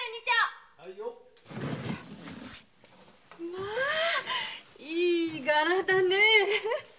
まいい柄だねえ。